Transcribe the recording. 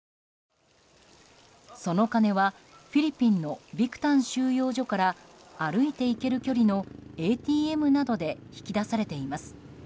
その金はフィリピンのビクタン収容所から歩いていける距離のＡＴＭなどで引き出されています。